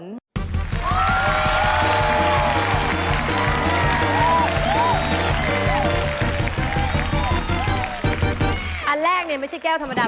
คือแรกนี้ไม่ใช่แก้วธรรมดา